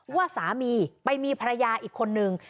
ว่าสามีไปมีภรรยาอีกคนนึง